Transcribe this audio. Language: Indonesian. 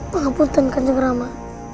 pangapun tenggajeng rama